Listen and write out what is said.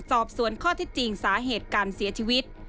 สอบสวนข้อที่จริงสาเหตุการเสียชีวิต